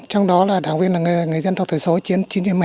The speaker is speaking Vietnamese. trong đó là đảng viên là người dân thuộc thời số chiến chín một mươi hai